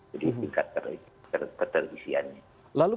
jadi tingkat keterisiannya